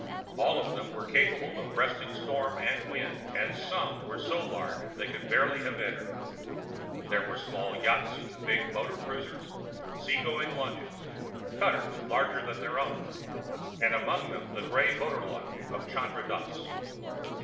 All of them were capable of breasting storm and wind, and some were so large they could barely have entered. There were small yachts, big motor cruisers, sea going launches, cutters larger than their own, and among them the gray motor launch of Chandra Dass.